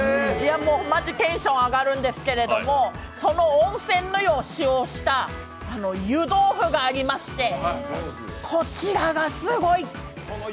いや、もう、マジ、テンション上がるんですけどその温泉の湯を使用した湯豆腐がありまして、こちらがすごい！